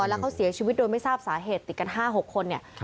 แล้วเขาเสียชีวิตโดยไม่ทราบสาเหตุติดกัน๕๖คนเนี่ย